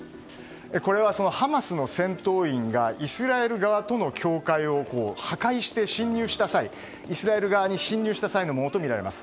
これは、ハマスの戦闘員がイスラエル側との境界を破壊してイスラエル側に侵入した際のものとみられます。